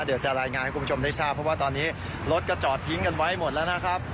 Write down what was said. เดี๋ยวจะรายงานให้คุณผู้ชมได้ทราบเพราะว่าตอนนี้รถก็จอดทิ้งกันไว้หมดแล้วนะครับ